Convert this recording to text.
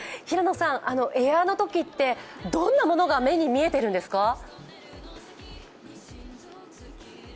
平野さん、エアのときってどんなものが目に見えているんですか？